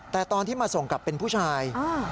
แต่ตอนที่มาส่งกลับเป็นผู้ชาย